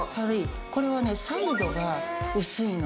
これはねサイドが薄いの。